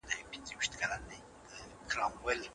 انسان د قصاص له امله له ژوند څخه محرومېږي.